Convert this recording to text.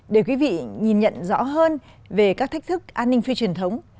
để quý vị nhìn nhận rõ hơn về các thách thức an ninh phi truyền thống